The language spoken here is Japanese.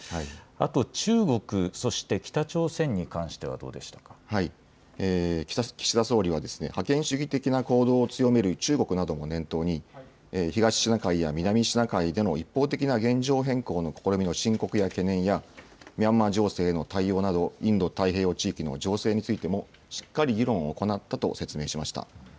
あと中国、そして北朝鮮に関して岸田総理は、覇権主義的な行動を強める中国なども念頭に、東シナ海や南シナ海での一方的な現状変更の試みの深刻な懸念や、ミャンマー情勢への対応など、インド太平洋地域の情勢についても、しっかり議論を行ったと説明しました。